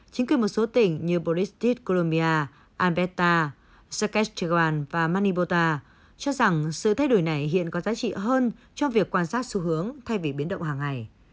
chính quyền một số tỉnh như boristit colombia alberta saquech teguan và manipota cho rằng sự thay đổi này hiện có giá trị hơn trong việc quan sát xu hướng thay vì biến động hàng ngày